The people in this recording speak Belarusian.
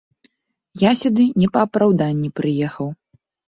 Я сюды не па апраўданні прыехаў.